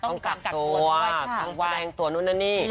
ต้องกากตัวทางว้างตัวนู่นนั่นเนี่ย